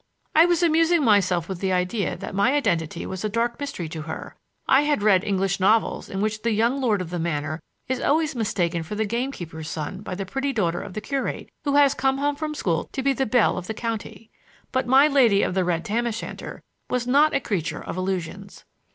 I was amusing myself with the idea that my identity was a dark mystery to her. I had read English novels in which the young lord of the manor is always mistaken for the game keeper's son by the pretty daughter of the curate who has come home from school to be the belle of the county. But my lady of the red tam o' shanter was not a creature of illusions.